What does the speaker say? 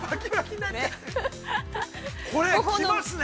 ◆これ、きますね。